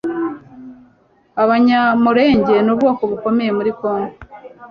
Abanyamulenge ni ubwoko bukomeye muri Congo,